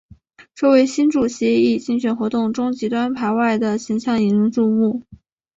这位新主席以竞选活动中极端排外的形象引人注目。